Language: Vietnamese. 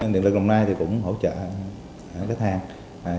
điện lực đồng nai cũng hỗ trợ khách hàng